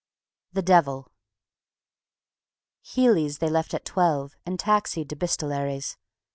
THE DEVIL Healy's they left at twelve and taxied to Bistolary's.